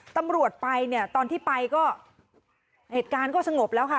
ตำรวจไปเนี่ยตอนที่ไปก็เหตุการณ์ก็สงบแล้วค่ะ